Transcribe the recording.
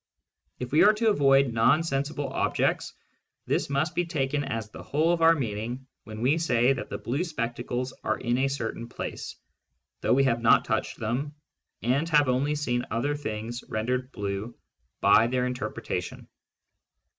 If we are to avoid non sensible objects, this must be taken as the whole of our meaning when we say that the blue spectacles are in a certain place, though we have not touched them, and have only seen other things rendered blue by their interposition.